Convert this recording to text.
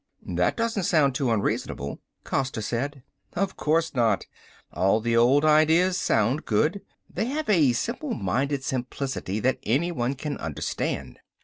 "That doesn't sound too unreasonable," Costa said. "Of course not. All of the old ideas sound good. They have a simple minded simplicity that anyone can understand.